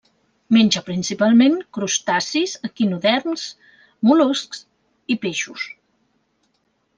Menja principalment crustacis, equinoderms, mol·luscs i peixos.